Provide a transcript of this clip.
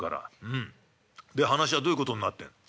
うんで話はどういうことになってんの？」。